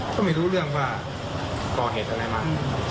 ก็ไม่รู้เรื่องว่าก่อเหตุอะไรมา